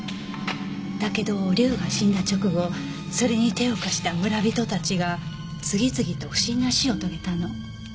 だけど竜が死んだ直後それに手を貸した村人たちが次々と不審な死を遂げたの。